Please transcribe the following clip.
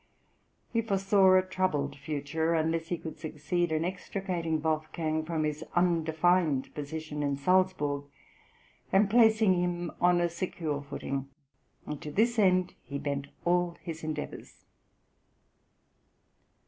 He foresaw a troubled future, unless he could succeed in extricating Wolfgang from his undefined position in Salzburg, and placing him on a secure footing; and to this end he bent all his endeavours.